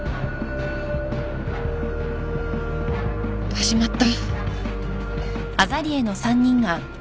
始まった。